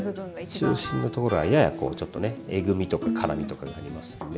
中心のところはややこうちょっとねえぐみとか辛みとかがありますので。